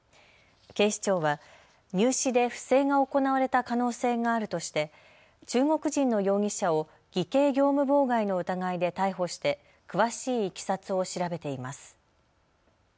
警視庁は入試で不正が行われた可能性があるとして中国人の容疑者を偽計業務妨害の疑いで逮捕して詳しいいきさつを調べています。